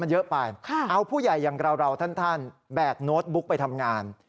มันเยอะไปเอาผู้ใหญ่ท่านแบกโน้ตบุ๊คไปทำงาน